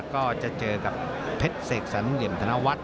ก็จะเจอกับเพชรเสกสรรเหลี่ยมธนวัฒน